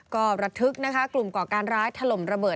ก็ระทึกนะคะกลุ่มก่อการร้ายถล่มระเบิด